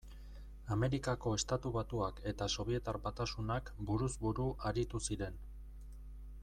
Amerikako Estatu Batuak eta Sobietar Batasunak buruz buru aritu ziren.